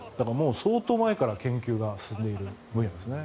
相当前から研究が進んでるものですね。